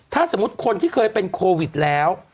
ถ้าสมมุติคนที่เคยเป็นโควิดแล้ว